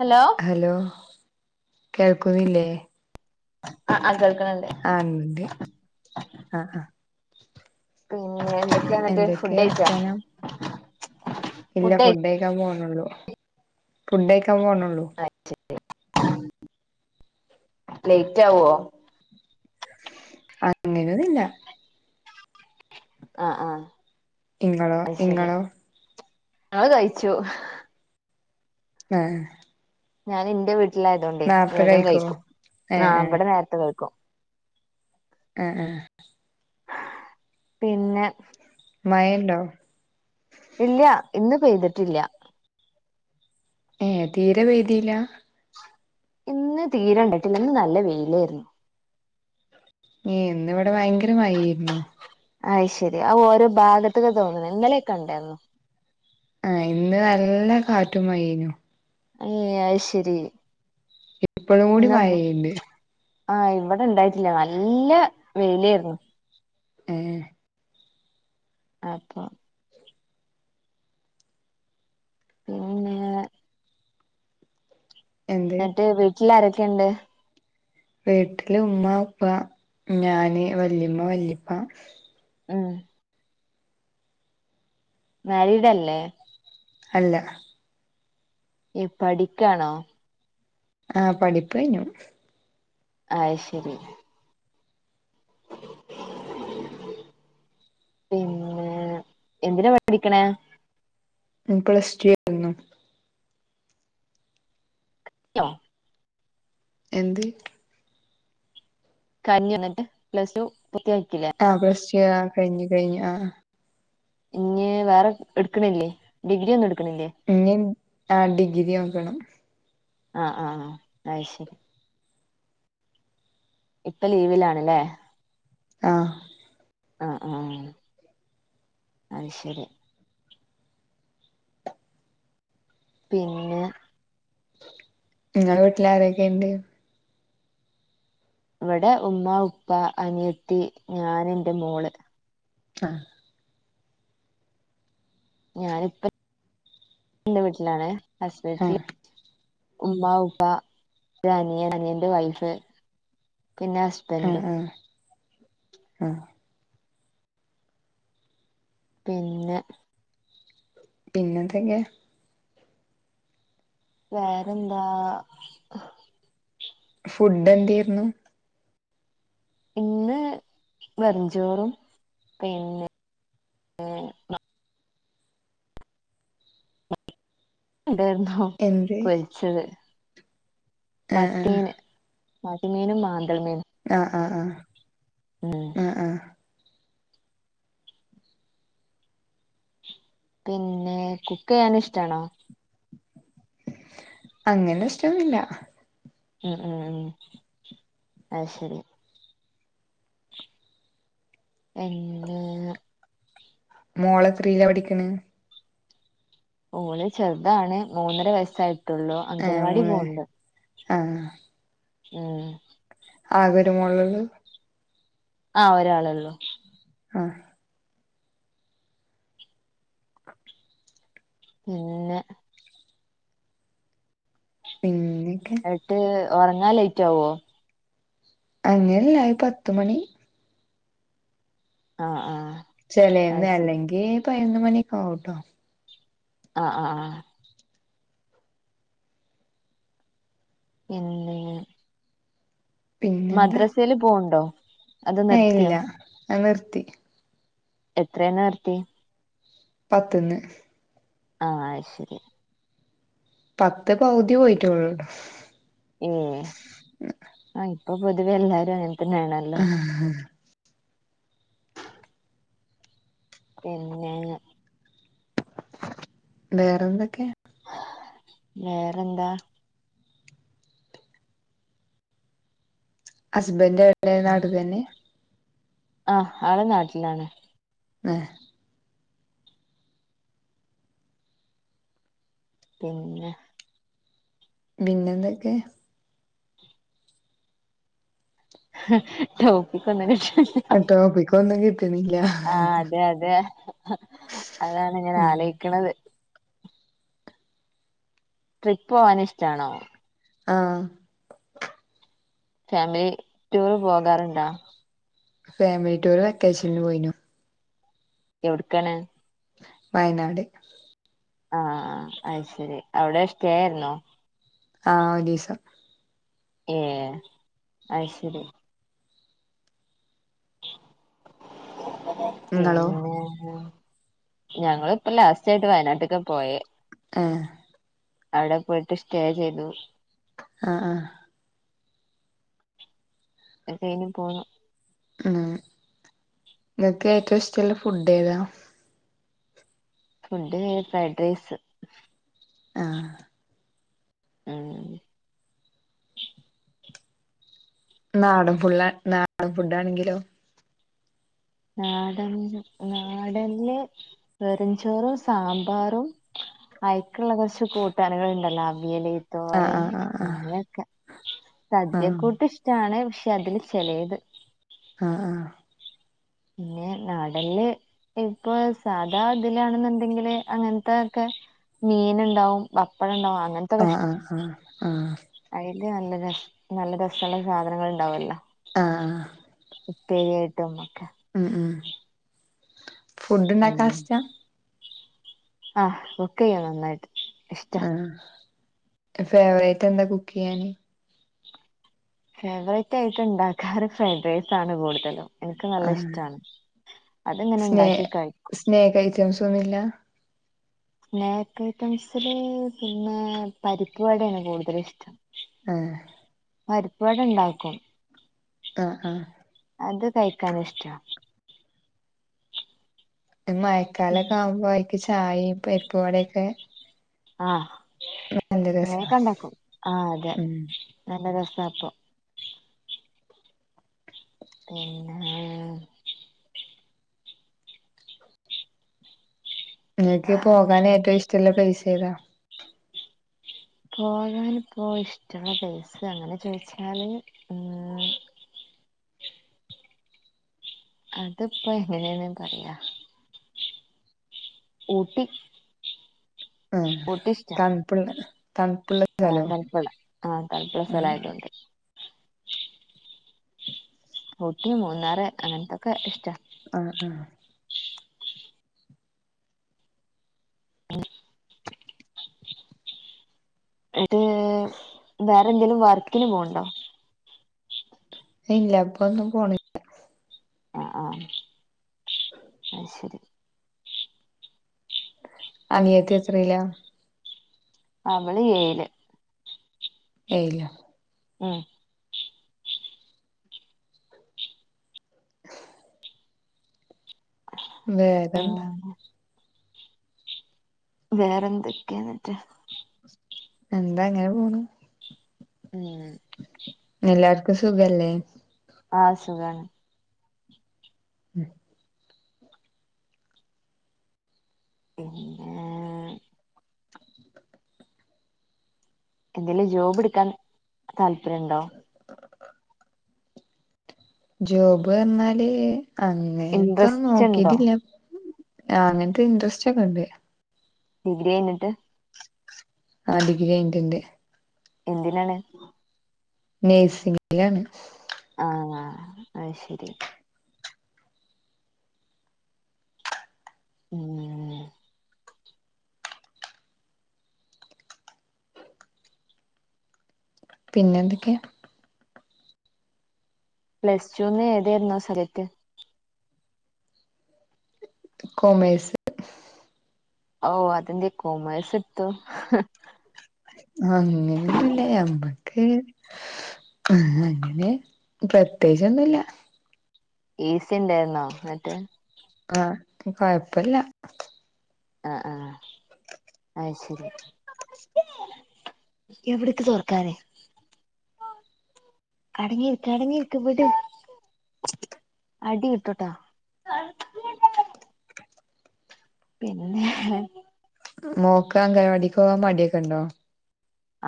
Hello hello കേൾക്കുന്നില്ലേ? ആഹ് ആഹ് കേൾക്ക്ണ് ണ്ട് ആഹ് ഇണ്ട് ആഹ് ആഹ് പിന്നെ എന്തെക്കെ എന്തൊക്കെയാ വർത്താനം? ഇല്ല ഫുഡ് ഫുഡയിക്കാൻ പോണൊള്ളൂ ഫുഡ് കഴിക്കാൻ പോണൊള്ളൂ അയ്ശരി ലെയ്റ്റ് ആവോ? അങ്ങനൊന്നില്ല ആഹ് ആഹ് ഇങ്ങളോ അയ്ശരി ഇങ്ങളോ ഇങ്ങള് കഴിച്ചു ആഹ് ഞാന് ഇന്റെ വീട്ടില് ആയതോണ്ടേ നേർത്തെ വേഗം കഴിക്കോ കഴിക്കും ഏഹ് ആഹ് ഏഹ് ഇവടെ നേരത്തെ കഴിക്കും ആഹ് ആഹ് പിന്നെ? മഴ ഇണ്ടോ? ഇല്ല്യ ഇന്ന് പെയ്തിട്ടില്ല ഏഹേ തീരെ പെയ്തീല്ല? ഇന്ന് തീരെ ഇണ്ടായിട്ടില്ല ഇന്ന് നല്ല വെയിലേര്ന്ന് ഏഹേ ഇന്ന് ഇവടെ ഭയങ്കര മഴേരുന്നു അഹ്ശരി അത് ഓരോ ഭാഗത്ത്ക്കാ തോന്നുണ് ഇന്നലൊക്കെ ഇണ്ടേരുന്നു ഏഹ് ഇന്ന് നല്ല കാറ്റും മഴേനു ഏഹ് അയ്ശരി ഇപ്പഴും കൂടി മഴ പെയ്യിണ്ട് ആഹ് ഇവടെ ഇണ്ടായിട്ടില്ല നല്ല വെയിലേരുന്നു ഏഹേ അപ്പൊ ഇവടെ ഇന്ന്ങ്ങനെ എന്ത് ഇന്നെട്ട് വീട്ടില് ആരക്കെണ്ട്? വീട്ടില് ഉമ്മ, ഉപ്പ, ഞാന് വല്ലിമ്മ വല്ലിപ്പ ഉം മാരീഡല്ലേ? അല്ല യ് പഠിക്കാണോ ആഹ പഠിപ്പയ്ഞ്ഞു അയ്ശെരി [inaudible] പിന്നെ എന്തിനാ പഠിക്ക്ണേ ഞാൻ പ്ലസ്ടു [inaudible] ന്നു [unintelligible] എന്തി കഴിഞ്ഞോന്നട്ട് പ്ലസ്ടു പുത്തിയാക്കില്ലേ ആഹ പ്ലസ്‌ ടു കഴിഞ്ഞു കഴിഞ്ഞു ആഹ ആഹ ഇഞ് വേറെ ഇട്ക്കിണില്ലേ ഡിഗ്രി ഒന്നും ഇട്ക്കിണില്ലേ ഇഞ്ഞിൻ ആഹ ഡിഗ്രി നോക്കണം ആഹ ആഹ ആഹ അയ്ശെരി ഇപ്പ ലീവിലാണ്ല്ലേ ആഹ അഹ ആഹ അഹ് ശെരി പിന്നെ ഇങ്ങളെ വീട്ടില് ആരെക്കെണ്ട് ഇവടെ ഉമ്മ ഉപ്പ അനിയത്തി ഞാന് ന്റെ മോള് ആഹ ഞാനിപ്പ ന്റെ വീട്ടിലാണ് ഹസ്ബന്ഡി ആഹ് ഉമ്മാ ഉപ്പ ഒരനിയൻ അനിയന്റെ വൈഫ് പിന്നെ ആഹ് ഹസ്ബന്റും ആഹ് ആഹ് പിന്നെ പിന്നെന്തെക്കെ വേറെന്താ ഫുഡ്‌ന്തേര്ന്നു ഇന്ന് വെറുഞ്ചോറും പിന്നെ ഏ അഹ ണ്ടെര്ന്നൊ എന്ത് ച്ചത് ആഹ് മത്തീന് മത്തിമീനും മാന്തൾ മീനും ആഹ ആഹ ആഹ ഉം അഹ ആഹ പിന്നെ കുക്കെയ്യാൻ ഇഷ്ടാണോ അങ്ങനെഷ്ടോന്നുല്ല ഉം ഉം അഹ് ശെരി എണ്ണ് മോളെത്രീല പഠിക്ക്ണ് ഓള് ചെർതാണ് മൂന്നര വയസ്സായിട്ടുള്ളു അംഗൻവാടി പോവ്ണ്ട് ആഹ ഉം ആകൊരു മോളോള്ളു ആഹ ഒരാളള്ളൂ ആഹ് എഹ് ഏഹ് എന്നിട്ട് ഒറങ്ങാ ലൈറ്റാവോ അങ്ങനെയല്ല ഒര് പത്ത്മണി ആഹ് ആഹ് അത് ചെലേന്ന് ശരി അല്ലെങ്കി പതിനൊന്ന് മണി ഒക്കെ ആവുട്ടോ ആഹ് ആഹ് പിന്നെയ് മദ്രസില് പോവുണ്ടോ ഏയ് ഇല്ല അത് നിർത്തി എത്രേന്ന നിർത്തി പത്ത്ന്ന് ആഹ് അയ് ശരി പത്ത് പൗതി പോയിറ്റൊള്ളൂട്ടോ എഹ് ആഹ് ഇപ്പൊ പൊതുവെ എല്ലാരും അങ്ങനത്തന്നെ ആണല്ലോ പിന്നെ വേറെന്തൊക്കെ വേറെന്താ ഹസ്ബന്റ് എവടെ നാട്ട്ലെന്നെ ആഹ് ആള് നാട്ടിലാണ് എഹ് പിന്നെ പിന്നെന്തൊക്കെ ടോപ്പിക്ക് ഒന്നും [unintelligible] ടോപ്പിക്കൊന്നും കിട്ടണില്ല ആഹ് അതെ അതെ അതാണ് ഇങ്ങനെ ആലോയിക്ക്ണത് ട്രിപ്പ് പോവാന് ഇഷ്ട്ടാണോ? ആഹ് ഫാമിലി റ്റൂറ് പോകാറുണ്ടോ? ഫാമിലി ടൂറ് വെക്കേഷനിൽ പോയിനു എവിട്ക്കാണ് വയനാട് ആഹ് അയ് ശരി അവിടെ സ്റ്റേ ആയിരുന്നോ ആഹ് ഒരീസം ഏയ് അയ് ശരി നിങ്ങളോ പിന്നേ ഞങ്ങളിപ്പം ലാസ്റ്റായിട്ട് വയനാട്ട്ക്ക പോയേ ഏഹ് അവിടെ പോയിട്ട് സ്റ്റേ ചെയ്തു ആഹ് ആഹ് അത് കയിഞ്ഞ് പോന്നു ഉം ഇങ്ങക്ക് ഏറ്റവും ഇഷ്ടള്ള ഫുഡ് ഏതാ? ഫുഡ് ഫ്രൈഡ് റൈസ് ആഹ് ഉം നാടൻ ഫുള്ള് നാടൻ ഫുഡാണങ്കിലോ? നാടൻല് നാടന് വെറുംചോറും സാമ്പാറും അയ്ക്ക്ള്ള കൊറച്ച് കൂട്ടാന്കള് ഇണ്ടല്ലോ? അവിയല് ആ തോരൻ, ആ ആ അങ്ങനൊക്കെ ആ സദ്യക്കൂട്ട് ആ ഇഷ് ട്ടാണ് പക്ഷെ അതില് ചെലേത് ആഹ് ആഹ് പിന്നെ നാടൻല് ഇപ്പൊ സാധാ ഇതിലാണെന്ന്ണ്ടെങ്കില് അങ്ങനത്തെ ഒക്കെ മീന്ണ്ടാവും പപ്പടണ്ടാവും അങ്ങനെ ആഹ് ആഹ് ആഹ് ആഹാ അയില് നല്ല രസ നല്ല രസള്ള സാധനങ്ങള് ഇണ്ടാവൊല്ലോ? ആഹ് ഉപ്പേരിയായിട്ടും ഒക്കെ ഉം ഉം ഫുഡ് എങ്ങനെ ഉണ്ടാക്കാൻ ഇഷ്ടാ ആഹ് കുക്കെയ്യും നന്നായിട്ട് ഇഷ്ട്ട ആഹ് ഫേവറേറ്റെന്താ കുക്കെയ്യാന്? ഫേവററ്റ് ആയിട്ട് ഇണ്ടാക്കാറ് ഫ്രൈഡ് റൈസ് ആണ് കൂടുതലും ഇൻക്ക് നല്ല ആഹ് ഇഷ്ട്ടാണ് അത്ങ്ങനെ ഇണ്ടാക്കി കഴിക്കും ഐറ്റംസൊന്നുല്ല സ്നാക്ക് ഐറ്റംസില് പിന്നെ പരിപ്പ് വടേണ് കൂടുതലിഷ്ടം ആഹ് പരിപ്പ് വട ഇണ്ടാക്കും ആഹ് ആഹ് അത് കഴിക്കാനിഷ്ട്ട ഇത് മഴക്കാലൊക്കെ ആവുമ്പം അയിക്ക് ചായിം, പരിപ്പ് വടക്കെ ആഹ് നല്ല രസാ അങ്ങനെക്കെ ഇണ്ടാക്കും ആഹ് അതെ ഉം നല്ല രസാ അപ്പൊ ആഹ് ഇങ്ങക്ക് പോകാന് ഏറ്റവും ഇഷ്ട്ടള്ള പ്ലയ്സ് ഏതാ? പോകാനിപ്പോ ഇഷ്ട്ടെള്ള പ്ലെയ്സ് അങ്ങനെ ചോയിച്ചാല് ഉം അതിപ്പോ എങ്ങനേണ് പറയാ ഊട്ടി ആഹ് ഊട്ടി ഇഷ്ടാ തണുപ്പ്ള്ളെ തണുപ്പ്ള്ള ആഹ് സ്ഥലോ? തണുപ്പുള്ള ആഹ് തണുപ്പുള്ള ആഹ് സ്ഥലമായതുകൊണ്ട് ഊട്ടി, മൂന്നാറ് അങ്ങനത്തൊക്കെ ഇഷ്ട്ട ആഹ് ആഹ് അങ്ങനെ ഇത് വേറെന്തേലും വർക്കിന് പോവ്ണ്ടോ? ഇല്ല ഇപ്പൊന്നും പോണ ആഹ് ആഹ് അഹ്ശരി അനിയത്തി എത്രീല? അവള് ഏഴില് ഏയിലോ? ഉം വേറെന്ത? ഉം വേറെ എന്തൊക്കെന്നെട്ട്? എന്താ അങ്ങനെ പോണ് ഉം എല്ലാര്ക്കും സുഖല്ലേ? ആഹ് സുഖാണ്. ഉം പിന്നെ എന്തെലും ജോബ് ട്ക്കാൻ താല്പര്യണ്ടോ? ജോബ്ർഞ്ഞാല് ഇൻട്രസ്റ്റ് ഉണ്ടോ അങ്ങൻത്തൊന്നോക്കിട്ടില്ല. ആഹ് അങ്ങൻത്തെ ഇൻട്രസ്റ്റൊക്കെണ്ട്. ഡിഗ്രി കയ്ഞ്ഞ്ട്ട് ആഹ് ഡിഗ്രി കഴിഞ്ഞിട്ട്ണ്ട്. എന്തിനാണ്? നഴ്സിംഗിലാണ്. ആഹ് അയ് ശെരി. ഉം പിന്നെന്തെക്കെ? പ്ലസ് ടുന്ന് ഏതേര്ന്നു സബ്ജെക്റ്റ്? കൊമേഴ്സ്. ഓഹ് അതെന്തെ കൊമേഴ്സട്ത്തു? അങ്ങനെന്നുല്ല എമ്പ ക്ക് [unintelligible] അങ്ങനെ പ്രത്യേകിച്ചൊന്നുല്ല. ഈസി ണ്ടായിര്ന്നോ ന്നട്ട്? ആഹ് കൊഴപ്പല്ല. ആഹ് ആഹ് അയ് ശെരി. എവിടക്ക് തുറക്കാ അടങ്ങിരിക്ക അടങ്ങിരിക്ക വിട് അടി ഇട്ടട്ടോ പിന്നെ മോക്ക അംഗനവാടിക്കോവാൻ മട്യൊക്കെണ്ടോ?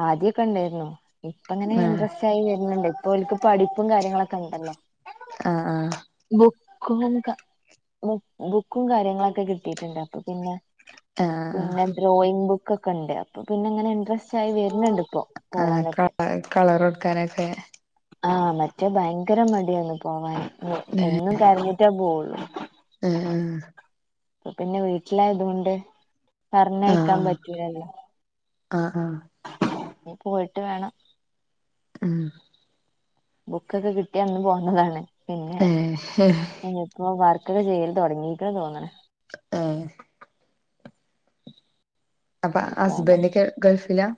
ആദ്യ ക്കെണ്ടേര്ന്നു ഇപ്പ ങ്ങനെ ആ ഇൻട്രസ്റ്റായി വെര്ന്ന്ണ്ട് ഇപ്പൊൽക്ക് പഠിപ്പും കാര്യങ്ങളൊക്കെ ണ്ടല്ലോ. ആഹ് ആഹ്. ബുക്കും ക ബുക്ക് ബുക്കും കാര്യങ്ങളൊക്കെ കിട്ടിട്ട്ണ്ട് അപ്പൊ പിന്നെ ആ പിന്നെ ഡ്രോയിങ് ബുക്കൊക്കെണ്ട് അപ്പൊ പിന്നെ ങ്ങനെ ഇൻട്രസ്റ്റായി വെര്ന്ന്ണ്ട് പ്പോ. ആഹ് കള കളറൊട്ക്കാനൊക്കെ. ആഹ് മറ്റേ ഭയങ്കര മട്യേന്നു പോവാന് എ എന്നും കരഞ്ഞിട്ടേ പോവൊള്ളു. ഉം ഉം അഹ് പിന്നെ വീട്ട്ലായത്കൊണ്ട് ആഹ് ആഹ് ആഹ് ആഹ്. ഇഞ് പോയിട്ട് വേണം. ഉം ബുക്കൊക്കെ കിട്ട്യാ അന്ന് പോന്നതാണ്. പിന്നെ ഏഹ് ഇനിയിപ്പോ വർക്കൊക്കെ ചെയ്യല് തൊട്ങ്ങീക്ക്ണ് തോന്ന്ണ്. ആഹ് അപ്പ ഇനി പോണം ഹസ്ബൻഡെക്കെ ഗൾഫിലാ?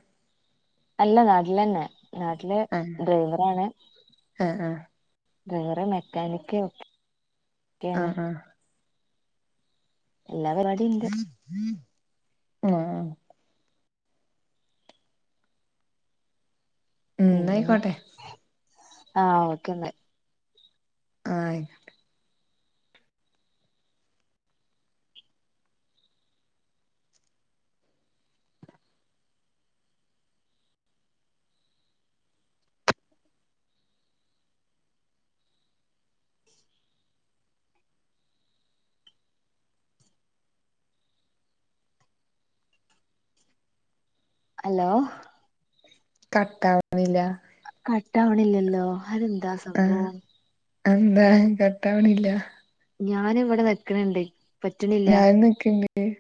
അല്ല നാട്ടിലെന്നെ നാട്ട്ല് ആഹ് ഡ്രൈവറാണ്. ആഹ് ആഹ് ഡ്രൈവറെ മെക്കാനിക്ക് ഒക്കെണ് ആഹ് ആഹ് എല്ലാ പരിപാടി ണ്ട് ആഹ് പിന്നെ ന്നായിക്കോട്ടെ ആഹ് ഓക്കെന്ന് ആഹ് ആയ്കോട്ടെ ഹലോ കട്ടാവുന്നില്ല കട്ടാവണില്ലല്ലോ അതന്ത ആഹ് അന്താ കട്ടാവണില്ല ഞാൻ ഇവിടെ വെക്കണിണ്ട് ഞാൻ [unintelligible]